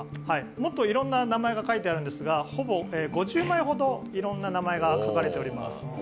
もっといろいろな名前が書いてあるんですが、ほぼ５０枚ほどいろんな名前が書かれています。